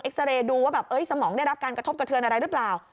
ซาเรย์ดูว่าแบบสมองได้รับการกระทบกระเทือนอะไรหรือเปล่า